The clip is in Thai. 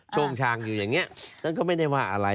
ช่วงชางอยู่อย่างนี้ท่านก็ไม่ได้ว่าอะไร